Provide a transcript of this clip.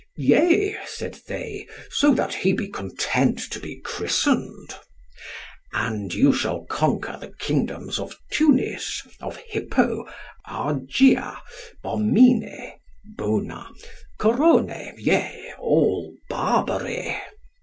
Yea, said they, so that he be content to be christened. And you shall conquer the kingdoms of Tunis, of Hippo, Argier, Bomine (Bona), Corone, yea, all Barbary.